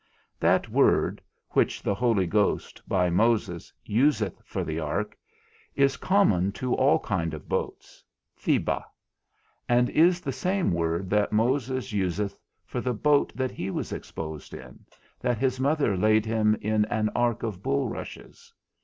That word which the Holy Ghost, by Moses, useth for the ark, is common to all kind of boats, thebah; and is the same word that Moses useth for the boat that he was exposed in, that his mother laid him in an ark of bulrushes.